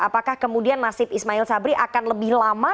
apakah kemudian nasib ismail sabri akan lebih lama